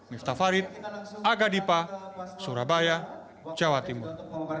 miftah farid aga dipa surabaya jawa timur